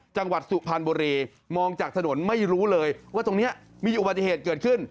จังหวัดสุพรรณบุรีมองจากถนนไม่รู้เลยว่าตรงนี้มีอุบัติเหตุเกิดขึ้น